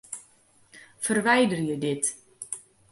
Ferwiderje dit.